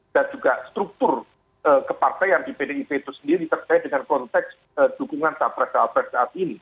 dan juga struktur kepartai yang di pdip itu sendiri terkait dengan konteks dukungan saat saat ini